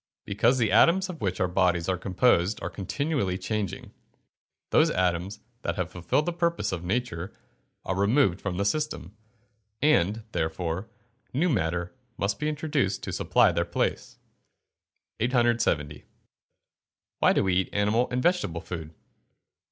_ Because the atoms of which our bodies are composed are continually changing. Those atoms that have fulfilled the purposes of nature are removed from the system, and, therefore, new matter must be introduced to supply their place. 870. _Why do we eat animal and vegetable food?